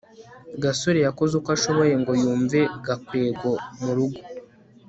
gasore yakoze uko ashoboye ngo yumve gakwego murugo